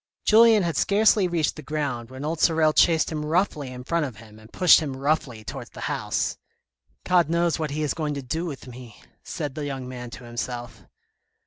Julien had scarcely reached the ground, when old Sorel chased him roughly in front of him and pushed him roughly towards the house. " God knows what he is going to do with me," said the young man to himself.